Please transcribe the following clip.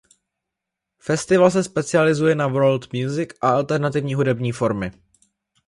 Festival se specializuje na world music a alternativní hudební formy.